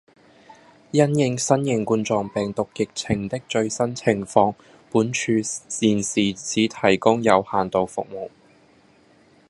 因應新型冠狀病毒疫情的最新情況，本處現時只提供有限度服務